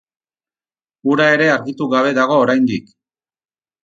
Hura ere argitu gabe dago oraindik.